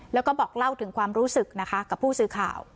แล้วก็บอกเล่าถึงความรู้สึกนะคะกับผู้สื่อข่าว